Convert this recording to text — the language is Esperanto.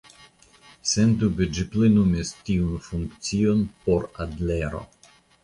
Sendube ĝi plenumis tiun funkcion por Adlero.